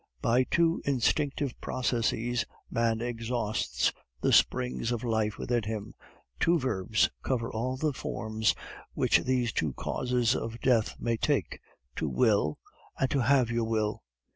By two instinctive processes man exhausts the springs of life within him. Two verbs cover all the forms which these two causes of death may take To Will and To have your Will.